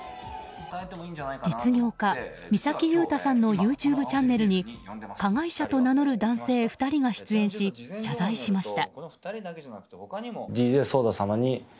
実業家・三崎優太さんのＹｏｕＴｕｂｅチャンネルに加害者と名乗る男性２人が出演し謝罪しました。